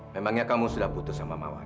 memangnya kamu sudah putus sama mawar